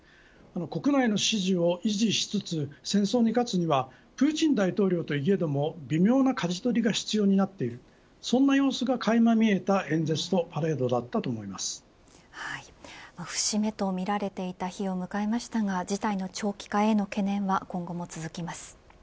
国内の支持を維持しつつ戦争に勝つにはプーチン大統領といえども微妙なかじ取りが必要になってくるそんな様子がかいま見えた演説と節目とみられていた日を迎えましたが事態の長期化への懸念は今後も続きます。